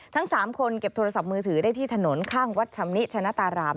ทั้ง๓คนเก็บโทรศัพท์มือถือได้ที่ถนนข้างวัดชำนิชนะตาราม